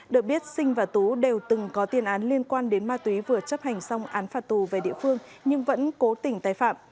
được biết sinh và tú đều từng có tiên án liên quan đến ma túy vừa chấp hành xong án phạt tù về địa phương nhưng vẫn cố tỉnh tài phạm